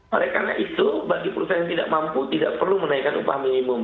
karena itu bagi perusahaan yang tidak mampu tidak perlu menaikkan upah minimum